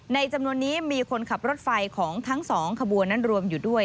จำนวนนี้มีคนขับรถไฟของทั้งสองขบวนนั้นรวมอยู่ด้วย